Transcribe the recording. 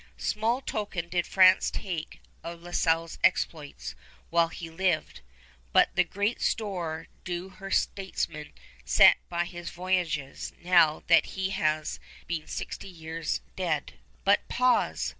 Small token did France take of La Salle's exploits while he lived, but great store do her statesmen set by his voyages now that he has been sixty years dead. "But pause!"